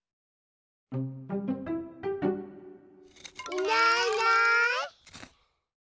いないいない。